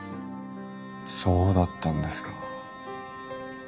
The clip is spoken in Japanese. そうだったんですか。